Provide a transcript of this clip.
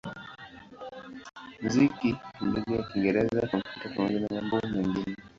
muziki lugha ya Kiingereza, Kompyuta pamoja na mambo mengine.